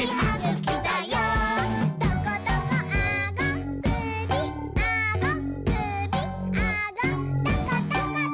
「トコトコあごくびあごくびあごトコトコト」